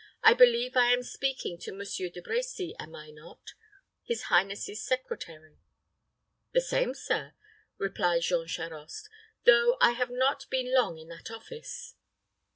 "I believe I am speaking to Monsieur De Brecy, am I not? his highness's secretary." "The same, sir," replied Jean Charost; "though I have not been long in that office."